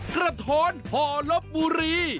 กระท้อนห่อลบบุรี